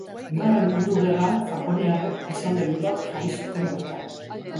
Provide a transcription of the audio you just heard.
Bigarren Mundu Gerran japoniarrek presondegi bat jarri zuten bertan.